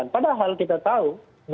padahal kita tahu